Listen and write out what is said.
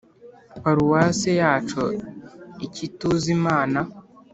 paruwase yacu ikituzimana